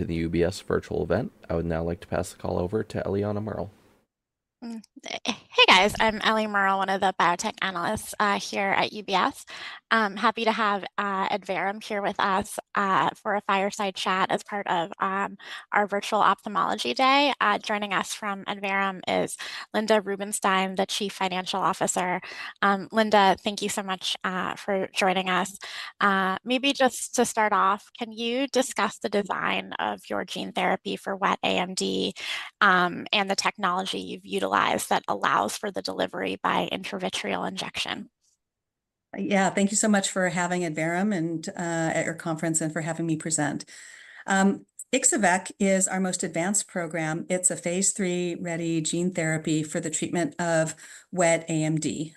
To the UBS virtual event. I would now like to pass the call over to Eliana Merle. Hey, guys. I'm Ellie Merle, one of the biotech analysts here at UBS. I'm happy to have Adverum here with us for a fireside chat as part of our Virtual Ophthalmology Day. Joining us from Adverum is Linda Rubinstein, the Chief Financial Officer. Linda, thank you so much for joining us. Maybe just to start off, can you discuss the design of your gene therapy for wet AMD and the technology you've utilized that allows for the delivery by intravitreal injection? Yeah. Thank you so much for having Adverum and at your conference and for having me present. Ixo-vec is our most advanced program. It's a phase III-ready gene therapy for the treatment of wet AMD.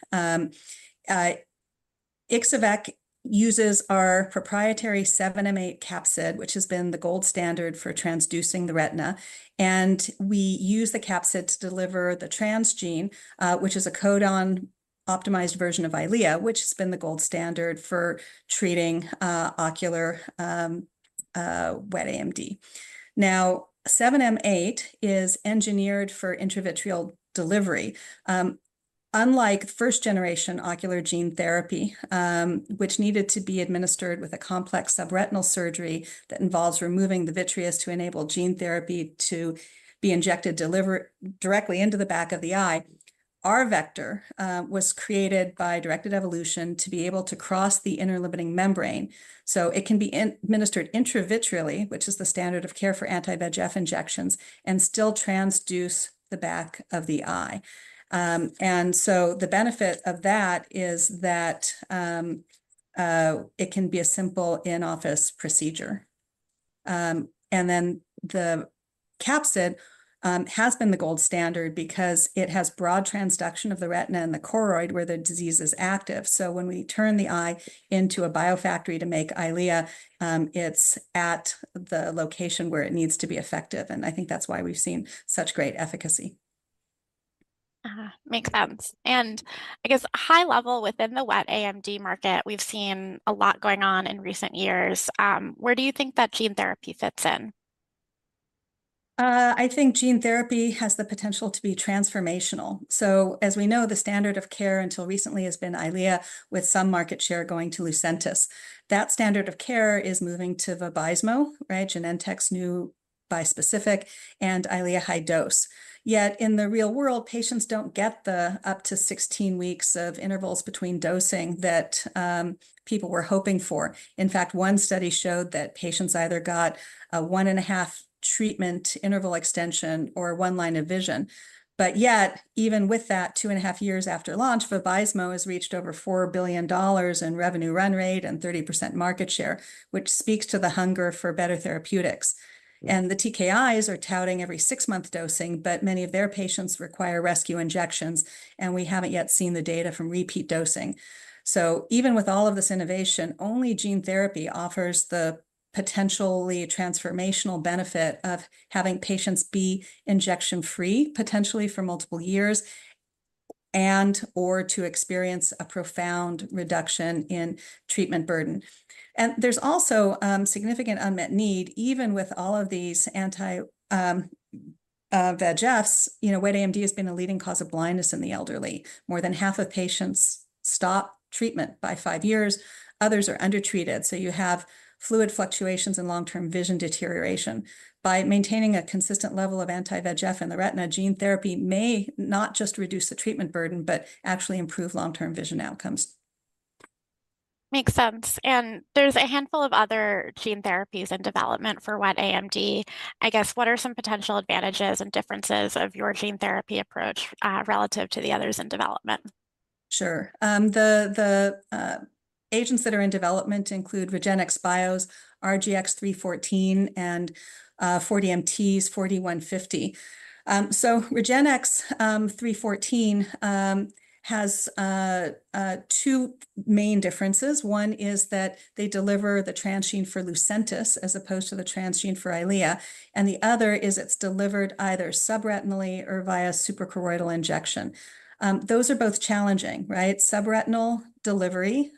Ixo-vec uses our proprietary 7m8 capsid, which has been the gold standard for transducing the retina, and we use the capsid to deliver the transgene, which is a codon-optimized version of Eylea, which has been the gold standard for treating ocular wet AMD. Now, 7m8 is engineered for intravitreal delivery. Unlike first-generation ocular gene therapy, which needed to be administered with a complex subretinal surgery that involves removing the vitreous to enable gene therapy to be injected directly into the back of the eye, our vector was created by directed evolution to be able to cross the inner limiting membrane, so it can be administered intravitreally, which is the standard of care for anti-VEGF injections, and still transduce the back of the eye. And so the benefit of that is that it can be a simple in-office procedure. And then the capsid has been the gold standard because it has broad transduction of the retina and the choroid, where the disease is active. So when we turn the eye into a biofactory to make Eylea, it's at the location where it needs to be effective, and I think that's why we've seen such great efficacy. Uh-huh, makes sense, and I guess high level within the wet AMD market, we've seen a lot going on in recent years. Where do you think that gene therapy fits in? I think gene therapy has the potential to be transformational. So as we know, the standard of care until recently has been Eylea, with some market share going to Lucentis. That standard of care is moving to VABYSMO, right, Genentech's new bispecific, and Eylea high dose. Yet in the real world, patients don't get the up to 16 weeks of intervals between dosing that people were hoping for. In fact, one study showed that patients either got a one-and-a-half treatment interval extension or one line of vision. But yet, even with that, two and a half years after launch, VABYSMO has reached over $4 billion in revenue run rate and 30% market share, which speaks to the hunger for better therapeutics. And the TKIs are touting every six-month dosing, but many of their patients require rescue injections, and we haven't yet seen the data from repeat dosing. So even with all of this innovation, only gene therapy offers the potentially transformational benefit of having patients be injection-free, potentially for multiple years, and/or to experience a profound reduction in treatment burden. And there's also significant unmet need. Even with all of these anti-VEGFs, you know, wet AMD has been a leading cause of blindness in the elderly. More than half of patients stop treatment by five years. Others are undertreated, so you have fluid fluctuations and long-term vision deterioration. By maintaining a consistent level of anti-VEGF in the retina, gene therapy may not just reduce the treatment burden, but actually improve long-term vision outcomes. Makes sense. And there's a handful of other gene therapies in development for wet AMD. I guess, what are some potential advantages and differences of your gene therapy approach, relative to the others in development? Sure. The agents that are in development include REGENXBIO's RGX-314 and 4DMT's 4D-150. RGX-314 has two main differences. One is that they deliver the transgene for Lucentis as opposed to the transgene for Eylea, and the other is it's delivered either subretinally or via suprachoroidal injection. Those are both challenging, right? Subretinal delivery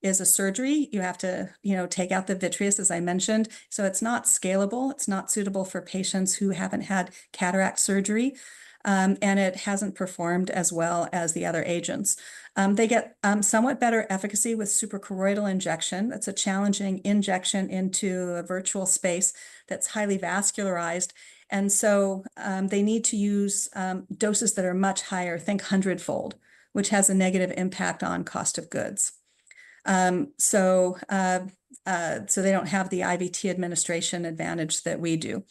is a surgery. You have to, you know, take out the vitreous, as I mentioned, so it's not scalable. It's not suitable for patients who haven't had cataract surgery, and it hasn't performed as well as the other agents. They get somewhat better efficacy with suprachoroidal injection. That's a challenging injection into a vitreous space that's highly vascularized, and so, they need to use, doses that are much higher, think hundredfold, which has a negative impact on cost of goods. So they don't have the IVT administration advantage that we do.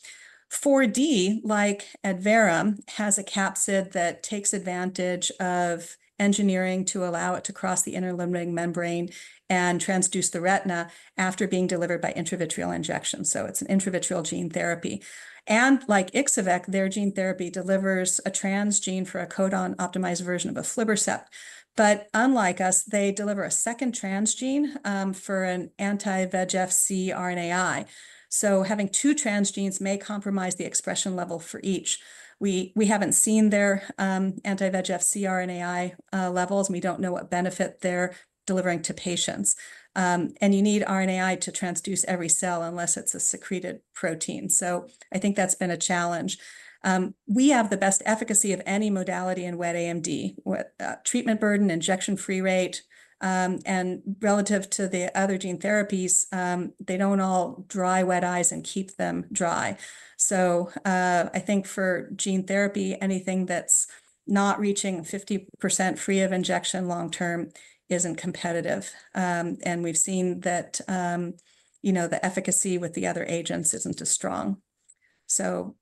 4D, like Adverum, has a capsid that takes advantage of engineering to allow it to cross the inner limiting membrane and transduce the retina after being delivered by intravitreal injection. So it's an intravitreal gene therapy, and like Ixo-vec, their gene therapy delivers a transgene for a codon-optimized version of aflibercept, but unlike us, they deliver a second transgene, for an anti-VEGF-C RNAi, so having two transgenes may compromise the expression level for each. We haven't seen their, anti-VEGF-C RNAi, levels, and we don't know what benefit they're delivering to patients. And you need RNAi to transduce every cell, unless it's a secreted protein, so I think that's been a challenge. We have the best efficacy of any modality in wet AMD, with treatment burden, injection-free rate, and relative to the other gene therapies, they don't all dry wet eyes and keep them dry. So, I think for gene therapy, anything that's not reaching 50% free of injection long term isn't competitive. And we've seen that, you know, the efficacy with the other agents isn't as strong. So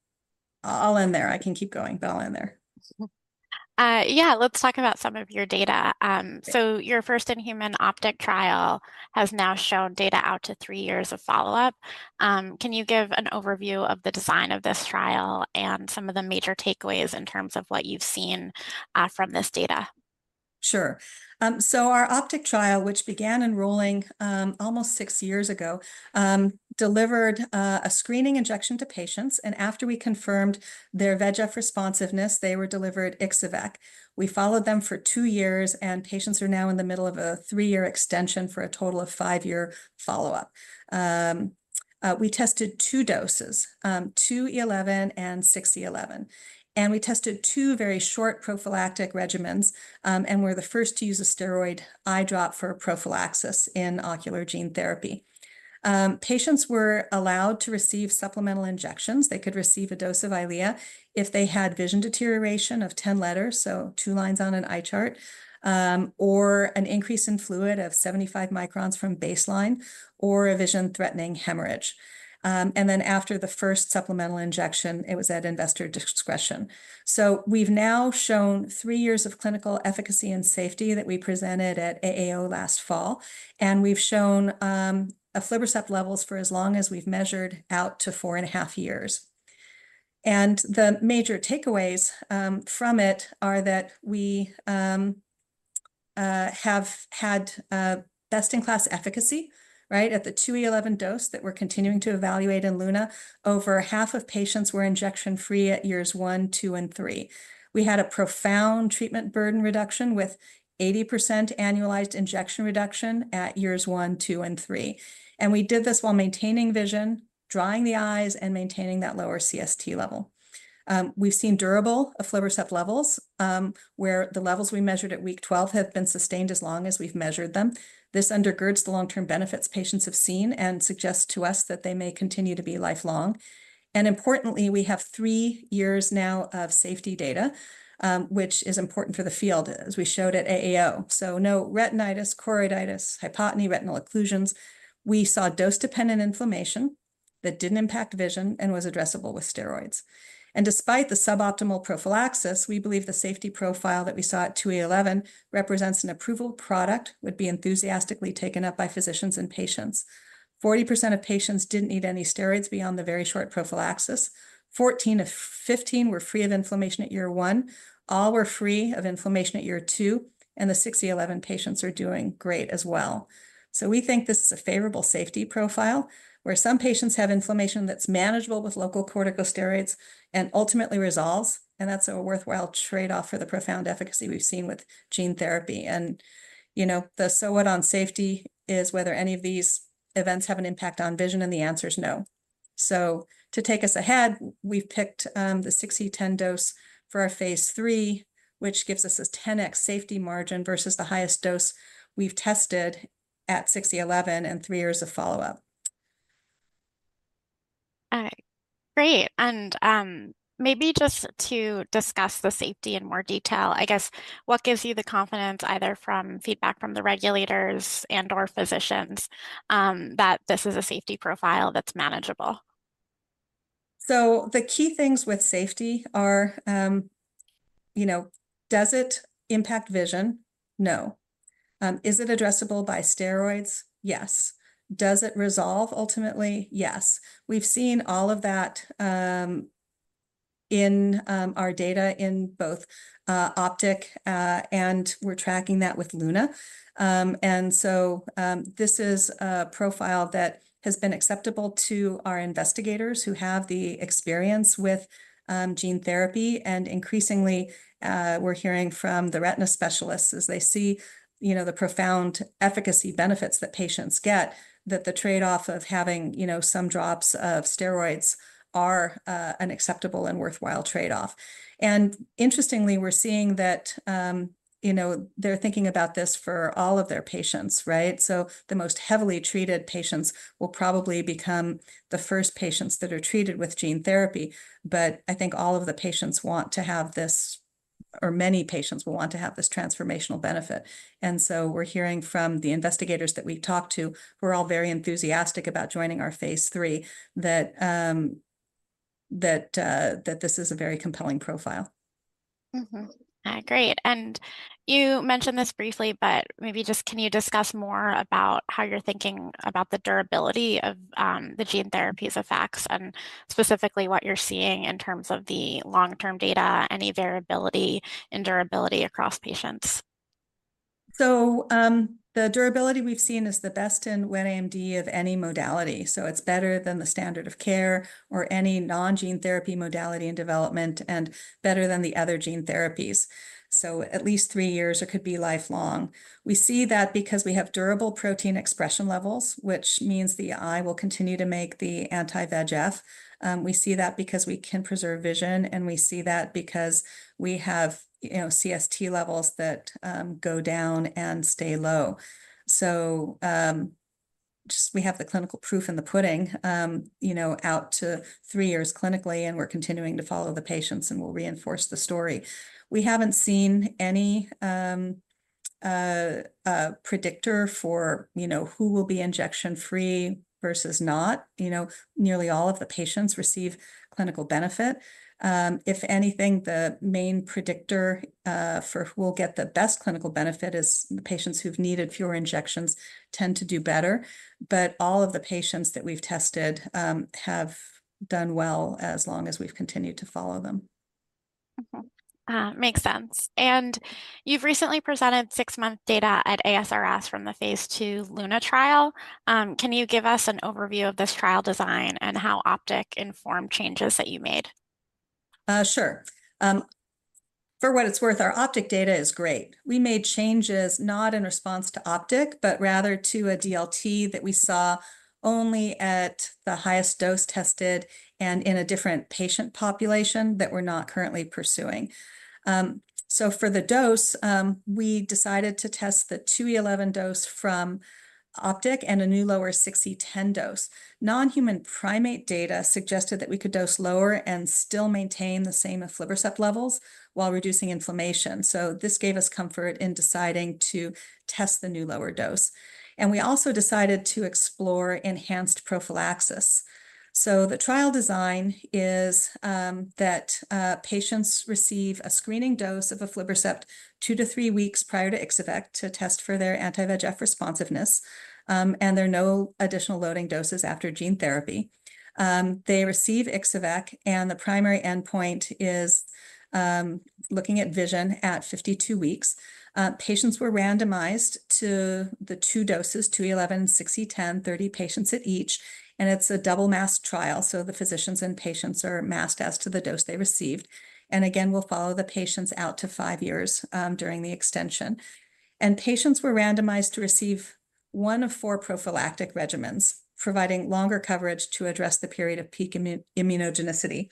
I'll end there. I can keep going, but I'll end there. Yeah, let's talk about some of your data. Yeah. Your first-in-human OPTIC trial has now shown data out to three years of follow-up. Can you give an overview of the design of this trial and some of the major takeaways in terms of what you've seen, from this data? Sure. So our OPTIC trial, which began enrolling almost six years ago, delivered a screening injection to patients, and after we confirmed their VEGF responsiveness, they were delivered Ixo-vec. We followed them for two years, and patients are now in the middle of a three-year extension for a total of five-year follow-up. We tested two doses: 2E11 and 6E11, and we tested two very short prophylactic regimens, and we're the first to use a steroid eye drop for prophylaxis in ocular gene therapy. Patients were allowed to receive supplemental injections. They could receive a dose of Eylea if they had vision deterioration of 10 letters, so two lines on an eye chart, or an increase in fluid of 75 microns from baseline, or a vision-threatening hemorrhage, and then after the first supplemental injection, it was at investigator discretion. So we've now shown three years of clinical efficacy and safety that we presented at AAO last fall, and we've shown aflibercept levels for as long as we've measured out to four and a half years. And the major takeaways from it are that we have had best-in-class efficacy, right? At the 2E11 dose that we're continuing to evaluate in LUNA, over half of patients were injection-free at years one, two, and three. We had a profound treatment burden reduction, with 80% annualized injection reduction at years one, two, and three. And we did this while maintaining vision, drying the eyes, and maintaining that lower CST level. We've seen durable aflibercept levels, where the levels we measured at week 12 have been sustained as long as we've measured them. This undergirds the long-term benefits patients have seen and suggests to us that they may continue to be lifelong, and importantly, we have three years now of safety data, which is important for the field, as we showed at AAO, so no retinitis, choroiditis, hypotony, retinal occlusions. We saw dose-dependent inflammation that didn't impact vision and was addressable with steroids, and despite the suboptimal prophylaxis, we believe the safety profile that we saw at 2E11 represents an approval product, would be enthusiastically taken up by physicians and patients. 40% of patients didn't need any steroids beyond the very short prophylaxis. 14 of 15 were free of inflammation at year one. All were free of inflammation at year two, and the 6E11 patients are doing great as well. We think this is a favorable safety profile, where some patients have inflammation that's manageable with local corticosteroids and ultimately resolves, and that's a worthwhile trade-off for the profound efficacy we've seen with gene therapy. You know, the so what on safety is whether any of these events have an impact on vision, and the answer is no. To take us ahead, we've picked the 6E10 dose for our phase III, which gives us this ten X safety margin versus the highest dose we've tested at 6E11 and three years of follow-up. Great, and, maybe just to discuss the safety in more detail, I guess, what gives you the confidence, either from feedback from the regulators and/or physicians, that this is a safety profile that's manageable? So the key things with safety are, you know, does it impact vision? No. Is it addressable by steroids? Yes. Does it resolve ultimately? Yes. We've seen all of that, in our data in both OPTIC and we're tracking that with LUNA. And so this is a profile that has been acceptable to our investigators who have the experience with gene therapy. And increasingly, we're hearing from the retina specialists as they see, you know, the profound efficacy benefits that patients get, that the trade-off of having, you know, some drops of steroids are an acceptable and worthwhile trade-off. And interestingly, we're seeing that, you know, they're thinking about this for all of their patients, right? So the most heavily treated patients will probably become the first patients that are treated with gene therapy, but I think all of the patients want to have this, or many patients will want to have this transformational benefit. And so we're hearing from the investigators that we talked to, who are all very enthusiastic about joining our phase III, that this is a very compelling profile. Mm-hmm. Great, and you mentioned this briefly, but maybe just can you discuss more about how you're thinking about the durability of the gene therapy's effects, and specifically what you're seeing in terms of the long-term data, any variability and durability across patients? So, the durability we've seen is the best in wet AMD of any modality, so it's better than the standard of care or any non-gene therapy modality in development, and better than the other gene therapies. So at least three years, or could be lifelong. We see that because we have durable protein expression levels, which means the eye will continue to make the anti-VEGF. We see that because we can preserve vision, and we see that because we have, you know, CST levels that go down and stay low. So, just we have the clinical proof in the pudding, you know, out to three years clinically, and we're continuing to follow the patients, and we'll reinforce the story. We haven't seen any predictor for, you know, who will be injection-free versus not. You know, nearly all of the patients receive clinical benefit. If anything, the main predictor, for who will get the best clinical benefit is the patients who've needed fewer injections tend to do better. But all of the patients that we've tested, have done well as long as we've continued to follow them. Mm-hmm. Makes sense, and you've recently presented six-month data at ASRS from the phase II LUNA trial. Can you give us an overview of this trial design and how OPTIC informed changes that you made? Sure. For what it's worth, our OPTIC data is great. We made changes not in response to OPTIC, but rather to a DLT that we saw only at the highest dose tested and in a different patient population that we're not currently pursuing. So for the dose, we decided to test the 2E11 dose from OPTIC and a new lower 6E10 dose. Non-human primate data suggested that we could dose lower and still maintain the same aflibercept levels while reducing inflammation, so this gave us comfort in deciding to test the new lower dose. We also decided to explore enhanced prophylaxis. So the trial design is that patients receive a screening dose of aflibercept two to three weeks prior to Ixo-vec to test for their anti-VEGF responsiveness, and there are no additional loading doses after gene therapy. They receive Ixo-vec, and the primary endpoint is looking at vision at 52 weeks. Patients were randomized to the two doses, 2E11, 6E10, 30 patients at each, and it's a double masked trial, so the physicians and patients are masked as to the dose they received. And again, we'll follow the patients out to 5 years during the extension. And patients were randomized to receive one of four prophylactic regimens, providing longer coverage to address the period of peak immunogenicity.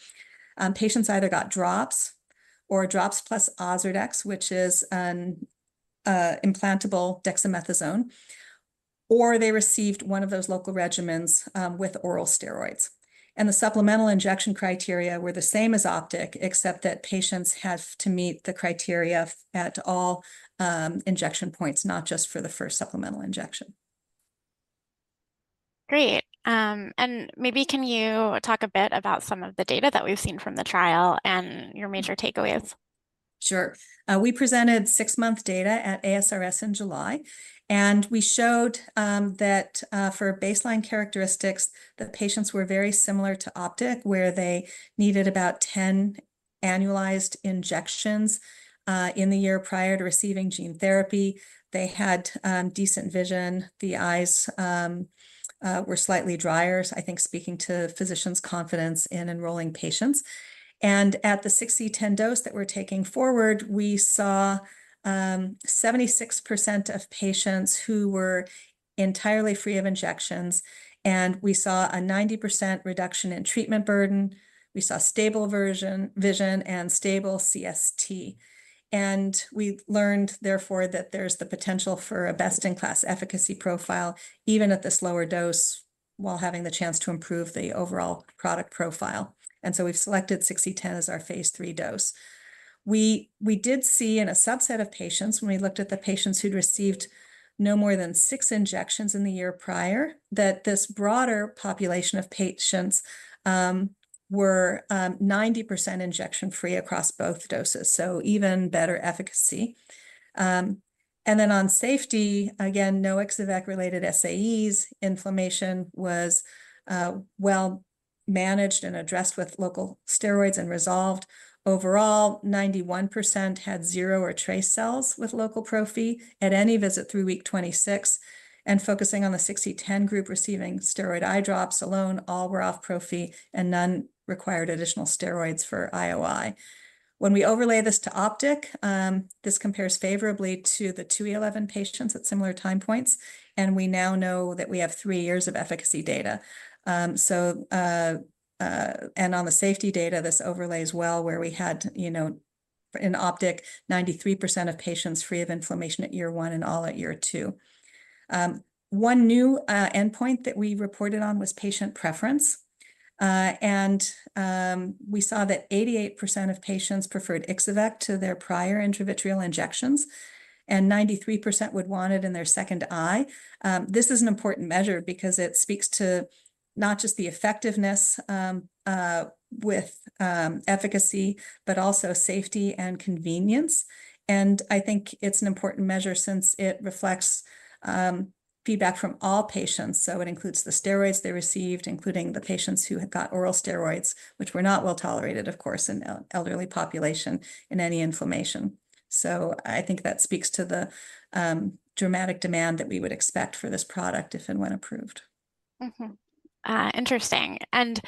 Patients either got drops or drops plus OZURDEX, which is an implantable dexamethasone, or they received one of those local regimens with oral steroids. And the supplemental injection criteria were the same as OPTIC, except that patients have to meet the criteria at all injection points, not just for the first supplemental injection. Great. And maybe can you talk a bit about some of the data that we've seen from the trial and your major takeaways? Sure. We presented six-month data at ASRS in July, and we showed that for baseline characteristics, the patients were very similar to OPTIC, where they needed about 10 annualized injections in the year prior to receiving gene therapy. They had decent vision. The eyes were slightly drier, so I think speaking to physicians' confidence in enrolling patients. And at the 6E10 dose that we're taking forward, we saw 76% of patients who were entirely free of injections, and we saw a 90% reduction in treatment burden. We saw stable vision, and stable CST. And we learned, therefore, that there's the potential for a best-in-class efficacy profile, even at this lower dose, while having the chance to improve the overall product profile. And so we've selected 6E10 as our phase III dose. We did see in a subset of patients, when we looked at the patients who'd received no more than six injections in the year prior, that this broader population of patients were 90% injection-free across both doses, so even better efficacy. And then on safety, again, no Ixo-vec-related SAEs. Inflammation was well managed and addressed with local steroids and resolved. Overall, 91% had zero or trace cells with local prophy at any visit through week 26. Focusing on the 6E10 group receiving steroid eye drops alone, all were off prophy, and none required additional steroids for IOI. When we overlay this to OPTIC, this compares favorably to the 2E11 patients at similar time points, and we now know that we have three years of efficacy data. On the safety data, this overlays well, where we had, you know, in OPTIC, 93% of patients free of inflammation at year one and all at year two. One new endpoint that we reported on was patient preference. We saw that 88% of patients preferred Ixo-vec to their prior intravitreal injections, and 93% would want it in their second eye. This is an important measure because it speaks to not just the effectiveness with efficacy, but also safety and convenience. I think it's an important measure since it reflects feedback from all patients. It includes the steroids they received, including the patients who had got oral steroids, which were not well-tolerated, of course, in elderly population in any inflammation. So I think that speaks to the dramatic demand that we would expect for this product if and when approved. Mm-hmm. Interesting. And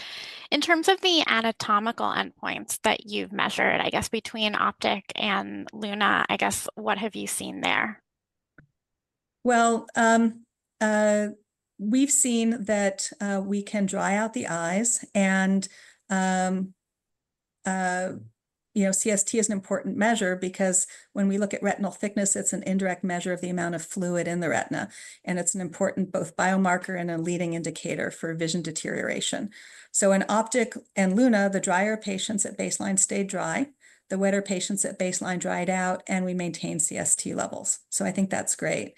in terms of the anatomical endpoints that you've measured, I guess between OPTIC and LUNA, I guess, what have you seen there? We've seen that we can dry out the eyes and, you know, CST is an important measure because when we look at retinal thickness, it's an indirect measure of the amount of fluid in the retina, and it's an important both biomarker and a leading indicator for vision deterioration, so in OPTIC and LUNA, the drier patients at baseline stayed dry. The wetter patients at baseline dried out, and we maintained CST levels, so I think that's great.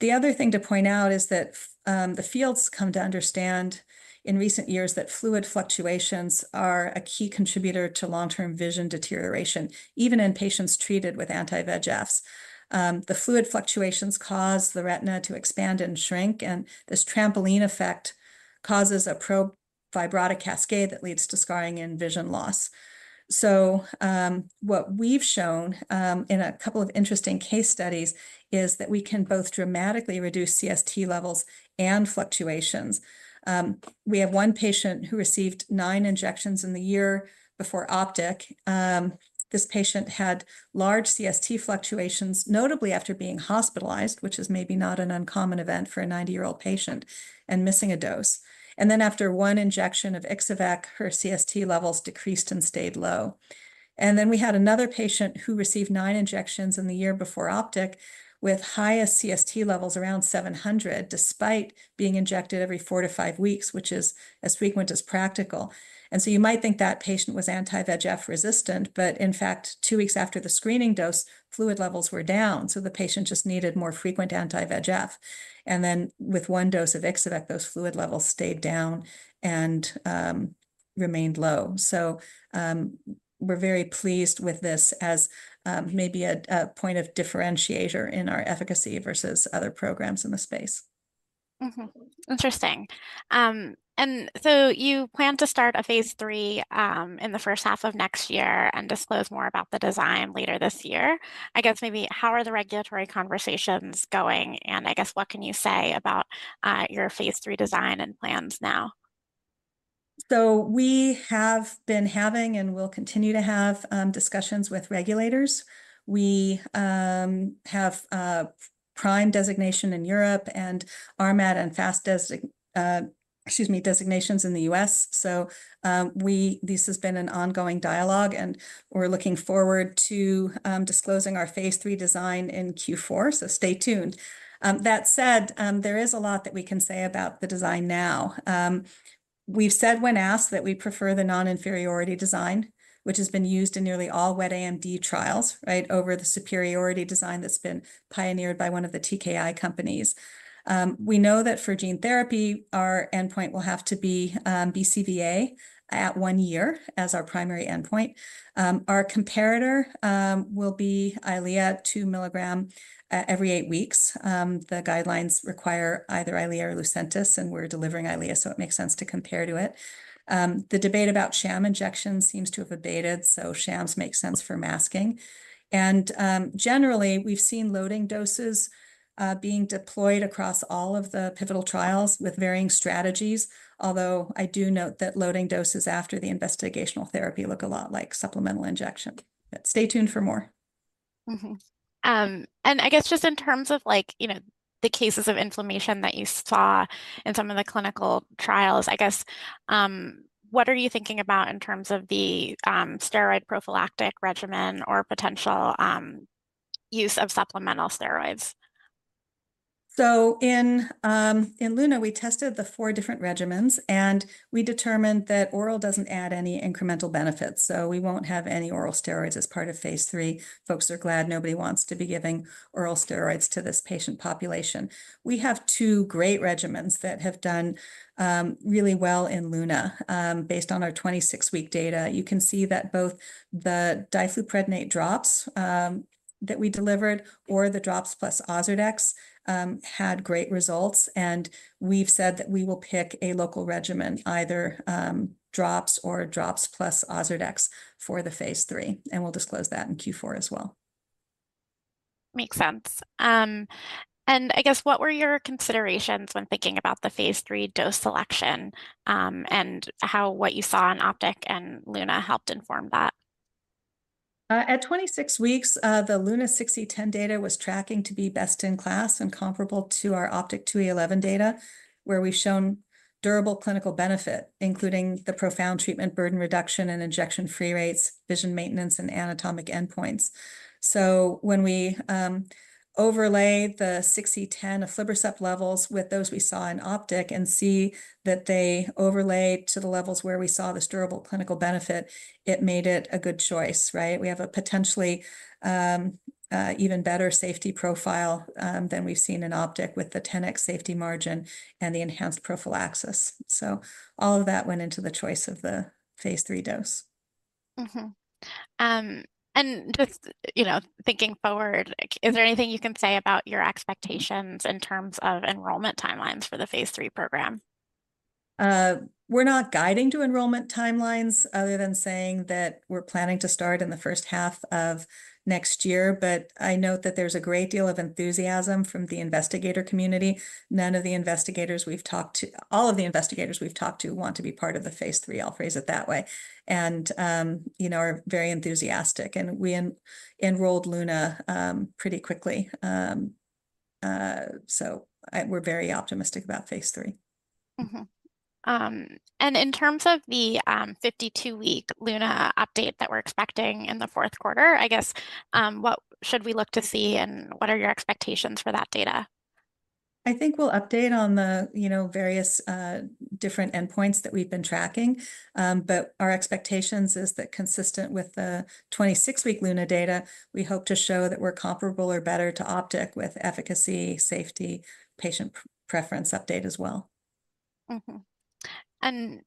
The other thing to point out is that the field has come to understand in recent years that fluid fluctuations are a key contributor to long-term vision deterioration, even in patients treated with anti-VEGFs. The fluid fluctuations cause the retina to expand and shrink, and this trampoline effect causes a proliferative cascade that leads to scarring and vision loss. What we've shown in a couple of interesting case studies is that we can both dramatically reduce CST levels and fluctuations. We have one patient who received nine injections in the year before OPTIC. This patient had large CST fluctuations, notably after being hospitalized, which is maybe not an uncommon event for a 90-year-old patient, and missing a dose. After one injection of Ixo-vec, her CST levels decreased and stayed low. We had another patient who received nine injections in the year before OPTIC, with highest CST levels around 700, despite being injected every four to five weeks, which is as frequent as practical. You might think that patient was anti-VEGF resistant, but in fact, two weeks after the screening dose, fluid levels were down, so the patient just needed more frequent anti-VEGF. And then with one dose of Ixo-vec, those fluid levels stayed down and remained low. So, we're very pleased with this as maybe a point of differentiator in our efficacy versus other programs in the space. Mm-hmm. Interesting, and so you plan to start a phase III in the first half of next year and disclose more about the design later this year. I guess maybe how are the regulatory conversations going, and I guess what can you say about your phase III design and plans now? So we have been having and will continue to have discussions with regulators. We have PRIME designation in Europe and RMAT and Fast Track, excuse me, designations in the U.S. So this has been an ongoing dialogue, and we're looking forward to disclosing our phase III design in Q4, so stay tuned. That said, there is a lot that we can say about the design now. We've said when asked that we prefer the non-inferiority design, which has been used in nearly all wet AMD trials, right? Over the superiority design that's been pioneered by one of the TKI companies. We know that for gene therapy, our endpoint will have to be BCVA at one year as our primary endpoint. Our comparator will be Eylea 2 mg every eight weeks. The guidelines require either Eylea or Lucentis, and we're delivering Eylea, so it makes sense to compare to it. The debate about sham injections seems to have abated, so shams make sense for masking. Generally, we've seen loading doses being deployed across all of the pivotal trials with varying strategies. Although, I do note that loading doses after the investigational therapy look a lot like supplemental injection, but stay tuned for more. Mm-hmm. And I guess just in terms of like, you know, the cases of inflammation that you saw in some of the clinical trials, I guess, what are you thinking about in terms of the, steroid prophylactic regimen or potential, use of supplemental steroids? So in LUNA, we tested the four different regimens, and we determined that oral doesn't add any incremental benefits, so we won't have any oral steroids as part of phase III. Folks are glad. Nobody wants to be giving oral steroids to this patient population. We have two great regimens that have done really well in LUNA. Based on our 26-week data, you can see that both the difluprednate drops that we delivered or the drops plus OZURDEX had great results, and we've said that we will pick a local regimen, either drops or drops plus OZURDEX for the phase III, and we'll disclose that in Q4 as well. Makes sense, and I guess what were your considerations when thinking about the phase III dose selection, and how what you saw in OPTIC and LUNA helped inform that? At 26 weeks, the LUNA 6E10 data was tracking to be best in class and comparable to our OPTIC 2E11 data, where we've shown durable clinical benefit, including the profound treatment burden reduction and injection-free rates, vision maintenance, and anatomic endpoints. So when we overlay the 6E10 aflibercept levels with those we saw in OPTIC and see that they overlay to the levels where we saw this durable clinical benefit, it made it a good choice, right? We have a potentially even better safety profile than we've seen in OPTIC with the 10X safety margin and the enhanced prophylaxis. So all of that went into the choice of the phase III dose. Just, you know, thinking forward, like, is there anything you can say about your expectations in terms of enrollment timelines for the phase III program? We're not guiding to enrollment timelines other than saying that we're planning to start in the first half of next year. But I note that there's a great deal of enthusiasm from the investigator community. All of the investigators we've talked to want to be part of the phase III, I'll phrase it that way and you know are very enthusiastic, and we enrolled LUNA pretty quickly. So we're very optimistic about phase III. Mm-hmm. And in terms of the 52-week LUNA update that we're expecting in the fourth quarter, I guess, what should we look to see, and what are your expectations for that data? I think we'll update on the, you know, various, different endpoints that we've been tracking. But our expectations is that consistent with the 26-week LUNA data, we hope to show that we're comparable or better to OPTIC with efficacy, safety, patient preference update as well. Mm-hmm. And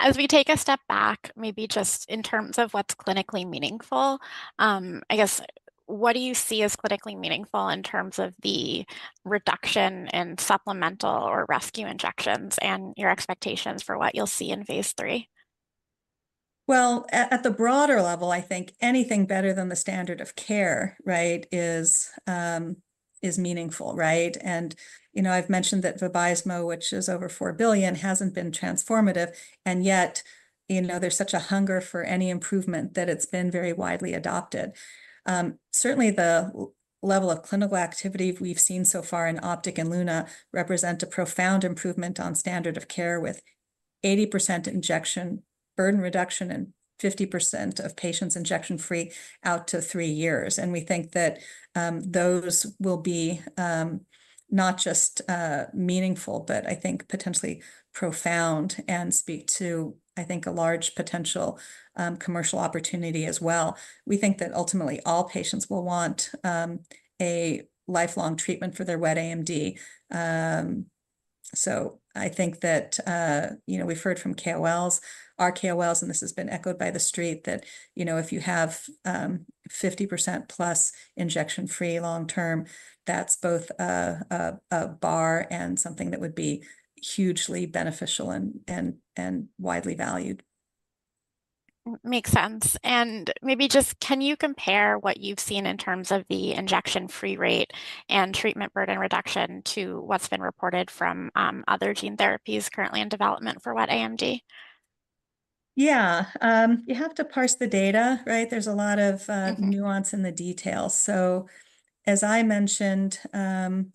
as we take a step back, maybe just in terms of what's clinically meaningful, I guess, what do you see as clinically meaningful in terms of the reduction in supplemental or rescue injections and your expectations for what you'll see in phase III? At the broader level, I think anything better than the standard of care, right, is meaningful, right? And, you know, I've mentioned that VABYSMO, which is over $4 billion, hasn't been transformative, and yet, you know, there's such a hunger for any improvement that it's been very widely adopted. Certainly the level of clinical activity we've seen so far in OPTIC and LUNA represent a profound improvement on standard of care, with 80% injection burden reduction and 50% of patients injection-free out to three years. And we think that those will be not just meaningful, but I think potentially profound and speak to, I think, a large potential commercial opportunity as well. We think that ultimately, all patients will want a lifelong treatment for their wet AMD. So I think that, you know, we've heard from KOLs, our KOLs, and this has been echoed by the Street, that, you know, if you have 50% plus injection-free long term, that's both a bar and something that would be hugely beneficial and widely valued. Makes sense. And maybe just can you compare what you've seen in terms of the injection-free rate and treatment burden reduction to what's been reported from, other gene therapies currently in development for wet AMD? Yeah. You have to parse the data, right? There's a lot of, Mm-hmm... nuance in the details. So as I mentioned,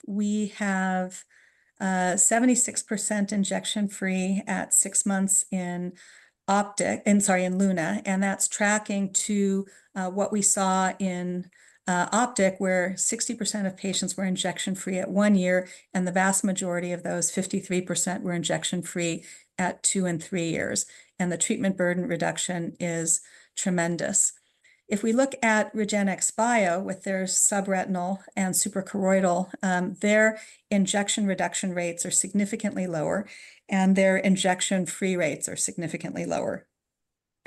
we have, 76% injection-free at six months in OPTIC, sorry, in LUNA, and that's tracking to, what we saw in, OPTIC, where 60% of patients were injection-free at one year, and the vast majority of those, 53%, were injection-free at two and three years, and the treatment burden reduction is tremendous. If we look at REGENXBIO with their subretinal and suprachoroidal, their injection reduction rates are significantly lower, and their injection-free rates are significantly lower.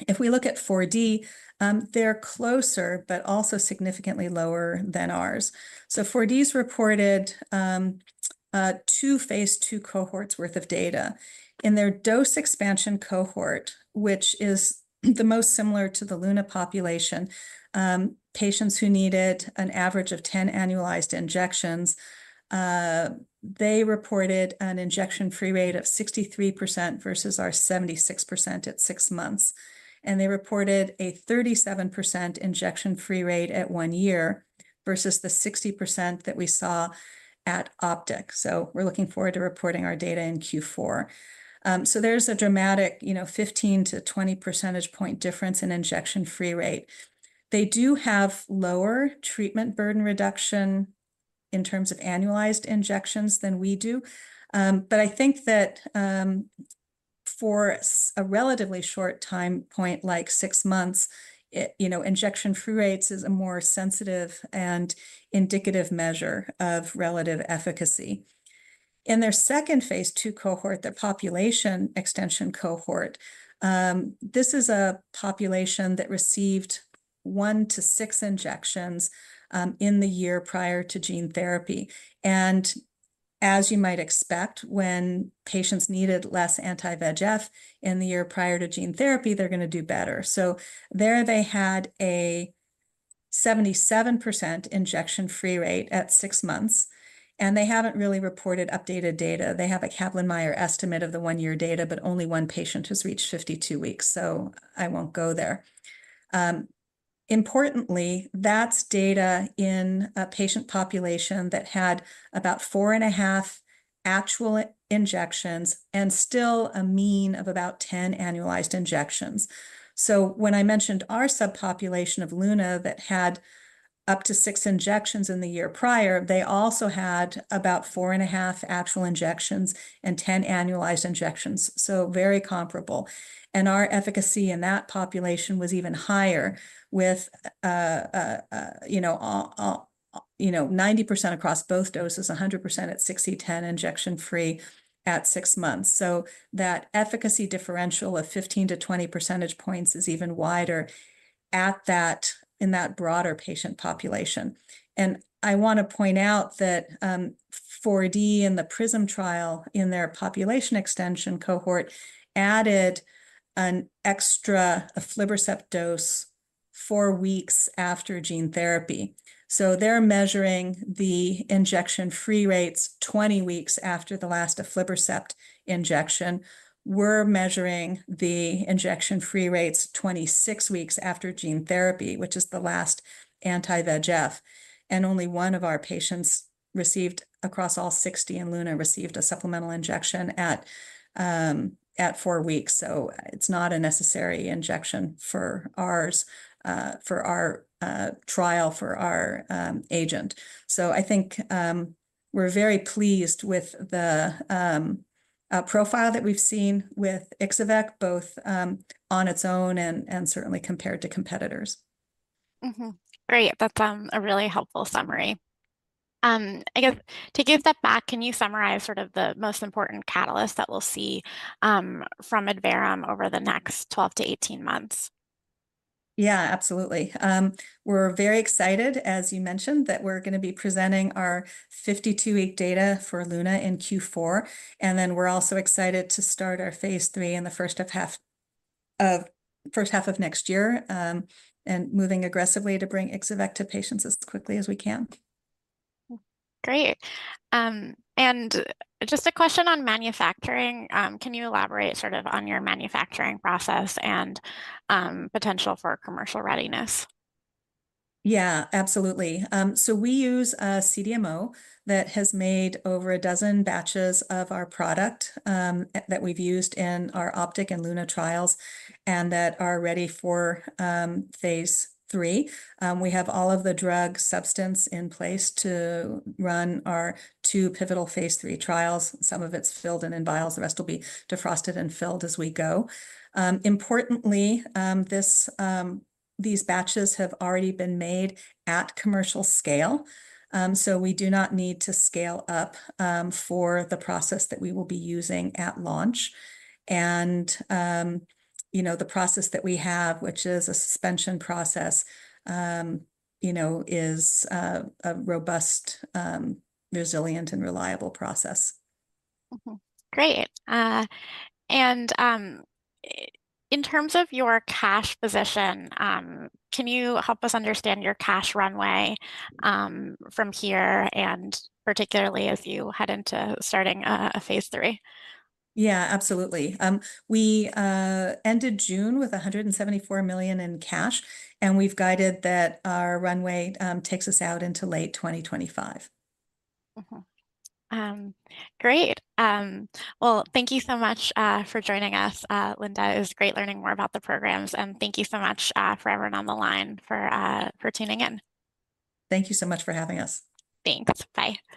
If we look at 4D, they're closer, but also significantly lower than ours. So 4D's reported, two phase II cohorts worth of data. In their dose expansion cohort, which is the most similar to the LUNA population, patients who needed an average of 10 annualized injections, they reported an injection-free rate of 63% versus our 76% at six months. And they reported a 37% injection-free rate at one year versus the 60% that we saw at OPTIC. So we're looking forward to reporting our data in Q4. So there's a dramatic, you know, 15-20 percentage point difference in injection-free rate. They do have lower treatment burden reduction in terms of annualized injections than we do. But I think that, for a relatively short time point, like six months, it, you know, injection-free rates is a more sensitive and indicative measure of relative efficacy. In their second phase II cohort, their population extension cohort, this is a population that received one to six injections in the year prior to gene therapy. As you might expect, when patients needed less anti-VEGF in the year prior to gene therapy, they're gonna do better. There they had a 77% injection-free rate at six months, and they haven't really reported updated data. They have a Kaplan-Meier estimate of the one-year data, but only one patient has reached 52 weeks, so I won't go there. Importantly, that's data in a patient population that had about four and a half actual injections and still a mean of about 10 annualized injections. So when I mentioned our subpopulation of LUNA that had up to six injections in the year prior, they also had about four and a half actual injections and 10 annualized injections, so very comparable. And our efficacy in that population was even higher with, you know, you know, 90% across both doses, 100% at 6E10 injection-free at six months. So that efficacy differential of 15-20 percentage points is even wider at that, in that broader patient population. And I wanna point out that, 4D in the PRISM trial in their population extension cohort added an extra aflibercept dose four weeks after gene therapy. So they're measuring the injection-free rates 20 weeks after the last aflibercept injection. We're measuring the injection-free rates 26 weeks after gene therapy, which is the last anti-VEGF, and only one of our patients received across all 60, and LUNA received a supplemental injection at four weeks. So it's not a necessary injection for ours, for our trial, for our agent. So I think we're very pleased with the profile that we've seen with Ixo-vec, both on its own and certainly compared to competitors. Mm-hmm. Great. That's a really helpful summary. I guess to give that back, can you summarize sort of the most important catalyst that we'll see from Adverum over the next twelve to eighteen months? Yeah, absolutely. We're very excited, as you mentioned, that we're gonna be presenting our 52-week data for LUNA in Q4, and then we're also excited to start our phase III in the first half of next year, and moving aggressively to bring Ixo-vec to patients as quickly as we can. Great. Just a question on manufacturing. Can you elaborate sort of on your manufacturing process and potential for commercial readiness? Yeah, absolutely. So we use a CDMO that has made over a dozen batches of our product, that we've used in our OPTIC and LUNA trials, and that are ready for phase III. We have all of the drug substance in place to run our two pivotal phase III trials. Some of it's filled in vials, the rest will be defrosted and filled as we go. Importantly, these batches have already been made at commercial scale, so we do not need to scale up for the process that we will be using at launch, and you know, the process that we have, which is a suspension process, you know, is a robust, resilient and reliable process. Mm-hmm. Great. In terms of your cash position, can you help us understand your cash runway from here, and particularly as you head into starting a phase III? Yeah, absolutely. We ended June with $174 million in cash, and we've guided that our runway takes us out into late 2025. Mm-hmm. Great. Well, thank you so much for joining us, Linda. It was great learning more about the programs, and thank you so much for everyone on the line for tuning in. Thank you so much for having us. Thanks. Bye.